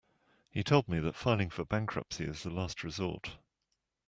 He told me that filing for bankruptcy is the last resort.